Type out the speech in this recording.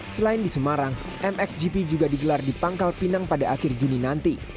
selain di semarang mxgp juga digelar di pangkal pinang pada akhirnya